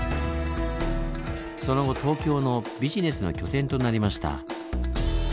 その後東京のビジネスの拠点となりました。